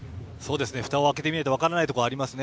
ふたを開けてみないと分からないところがありますね。